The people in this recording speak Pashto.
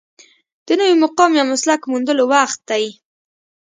د نوي مقام یا مسلک موندلو وخت دی.